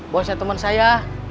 bosnya teman saya